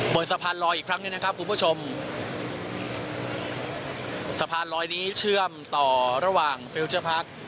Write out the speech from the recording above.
สะพานลอยอีกครั้งหนึ่งนะครับคุณผู้ชมสะพานลอยนี้เชื่อมต่อระหว่างฟิลเจอร์พาร์ค